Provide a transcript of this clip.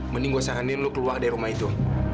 mending gue saranin lo keluar dari rumah itu